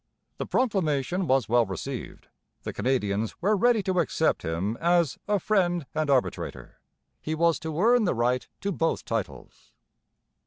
The proclamation was well received; the Canadians were ready to accept him as 'a friend and arbitrator.' He was to earn the right to both titles.